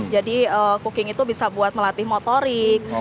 jadi cooking itu bisa buat melatih motorik